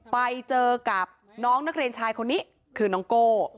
ไปเจอกับน้องนักเรียนชายคนนี้คือน้องโก้